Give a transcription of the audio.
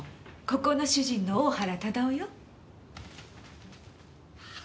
ここの主人の大原忠雄よ